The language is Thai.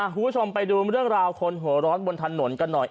คุณผู้ชมไปดูเรื่องราวคนหัวร้อนบนถนนกันหน่อย